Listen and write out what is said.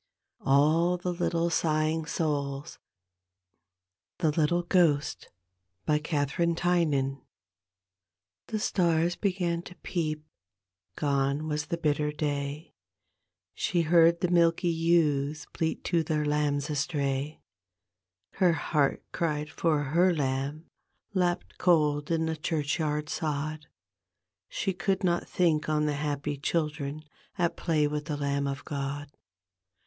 THE LITTLE GHOST : kathbrinb tynan The stars b^an to peep Gone was the bitter day, She heard the milky ewes Bleat to their lambs astray. Her heart cried for her lamb Lapped cold in the churchyard sod, She could not think on the happy children At play with ttiK Lamb of God.